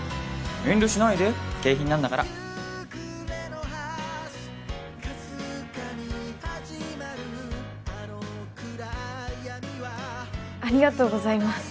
遠慮しないで景品なんだからありがとうございます